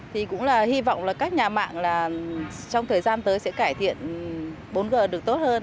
thì cũng là hy vọng là các nhà mạng là trong thời gian tới sẽ cải thiện bốn g được tốt hơn